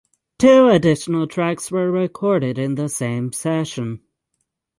Two additional tracks were recorded in the same session.